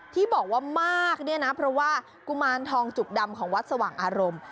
ที่บอกว่ามากเนี่ยนะเพราะว่ากุมารทองจุกดำของวัดสว่างอารมณ์